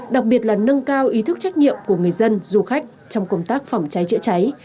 đặc biệt là nâng cao ý thức trách nhiệm của người dân du khách trong công tác phòng cháy chữa cháy